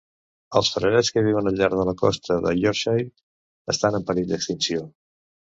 Els frarets que viuen al llarg de la costa de Yorkshire estan en perill d'extinció.